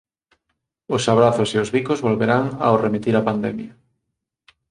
Os abrazos e os bicos volverán ao remitir a pandemia.